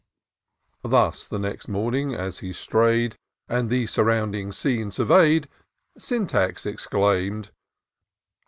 Thus the next morning as he stray'd, And the surrounding scene survey'd, Syntax exclaim'd.